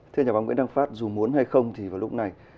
thưa nhà báo nguyễn đăng phát dù muốn hay không thì vào lúc này